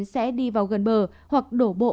sẽ đi vào gần bờ hoặc đổ bộ